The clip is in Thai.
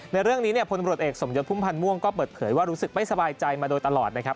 ในเรื่องนี้เนี่ยพลตำรวจเอกสมยศพุ่มพันธ์ม่วงก็เปิดเผยว่ารู้สึกไม่สบายใจมาโดยตลอดนะครับ